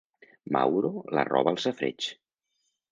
Mauro la roba al safareig.